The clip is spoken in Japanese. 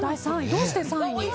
どうして３位に？